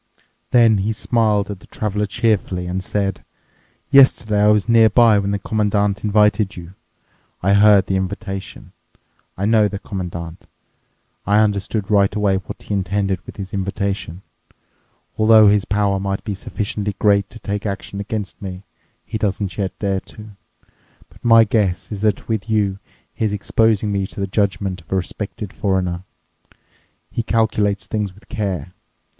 Then he smiled at the Traveler cheerfully and said, "Yesterday I was nearby when the Commandant invited you. I heard the invitation. I know the Commandant. I understood right away what he intended with his invitation. Although his power might be sufficiently great to take action against me, he doesn't yet dare to. But my guess is that with you he is exposing me to the judgment of a respected foreigner. He calculates things with care.